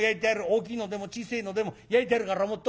大きいのでも小せえのでも焼いてやるから持ってこい。